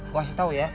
gue kasih tau ya